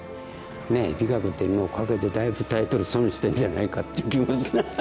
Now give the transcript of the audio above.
ねえ「美学」っていうのをかけてだいぶタイトル損してるんじゃないかっていう気もする。